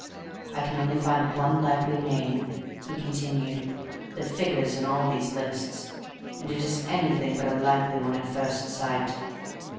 "I can only find one likely name," he continued, "that figures in all these lists, and it is anything but a likely one at first sight.